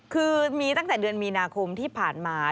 คือมีตั้งแต่เดือนมีนาคมที่ผ่านมา